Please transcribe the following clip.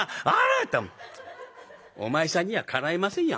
「お前さんにはかないませんよ